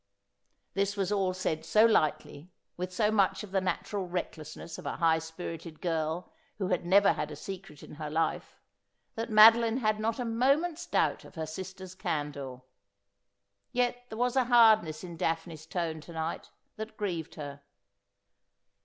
This was all said so lightly, with so much of the natural recklessness of a high spirited girl who has never had a secret in her life, that Madoline had not a moment's doubt of her sister's candour. Yet there was a hardness in Daphne's tone to night that grieved her.